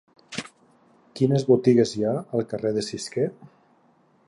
Quines botigues hi ha al carrer de Cisquer?